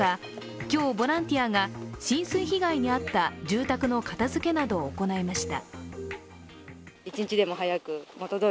今日、ボランティアが浸水被害に遭った住宅の片づけなどを行いました。